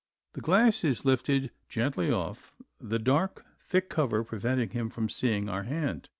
The glass is lifted gently off, the dark thick cover preventing him from seeing our hand.